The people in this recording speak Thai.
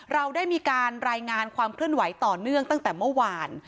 เราได้มีการรายงานความเคลื่อนไหวต่อเนื่องตั้งแต่เมื่อวาน